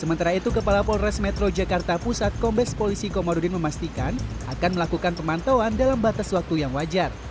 sementara itu kepala polres metro jakarta pusat kombes polisi komarudin memastikan akan melakukan pemantauan dalam batas waktu yang wajar